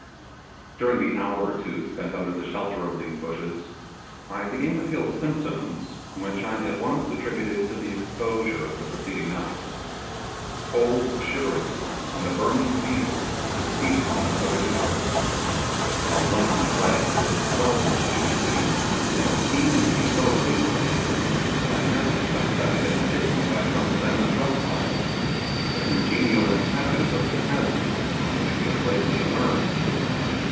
During the hour or two spent under the shelter of these bushes, I began to feel symptoms which I at once attributed to the exposure of the preceding night. Cold shiverings and a burning fever succeeded one another at intervals, while one of my legs was swelled to such a degree, and pained me so acutely, that I half suspected I had been bitten by some venomous reptile, the congenial inhabitant of the chasm from which we had lately emerged.